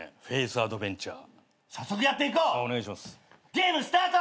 ゲームスタート！